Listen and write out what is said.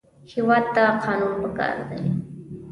هېواد ته قانون پکار دی